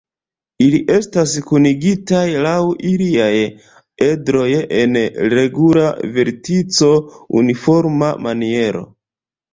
Ili estas kunigitaj laŭ iliaj edroj en regula vertico-uniforma maniero.